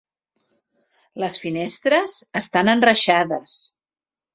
Les finestres estan enreixades.